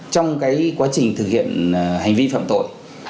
trong quá trình thực hiện hành vi phạm tội